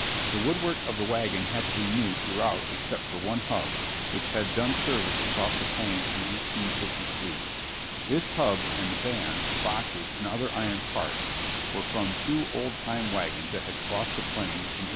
The woodwork of the wagon had to be new throughout except for one hub, which had done service across the Plains in 1853. This hub and the bands, boxes, and other iron parts were from two old time wagons that had crossed the Plains in 1853.